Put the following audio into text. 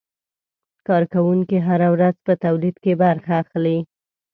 کارکوونکي هره ورځ په تولید کې برخه اخلي.